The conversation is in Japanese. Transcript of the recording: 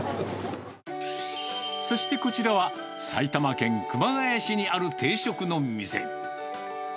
そしてこちらは、埼玉県熊谷市にある定食の店。